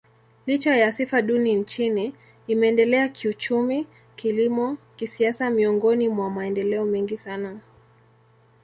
Licha ya sifa duni nchini, imeendelea kiuchumi, kilimo, kisiasa miongoni mwa maendeleo mengi sana.